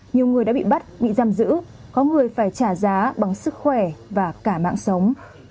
nhiều người đã bị bắt bị giam giữ có người phải trả giá bằng sức khỏe và cả mạng sống